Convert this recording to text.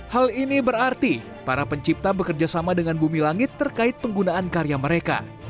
hal ini berarti para pencipta bekerjasama dengan bumi langit terkait penggunaan karya mereka